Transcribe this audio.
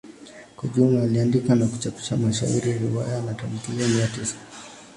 Kwa jumla aliandika na kuchapisha mashairi, riwaya na tamthilia mia tisa.